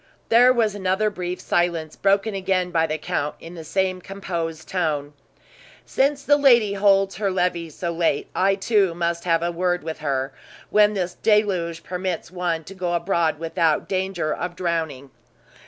There was an other brief silence, broken again by the count, in the same composed tone: "Since the lady holds her levee so late, I, too, must have a word with her, when this deluge permits one to go abroad without danger of drowning."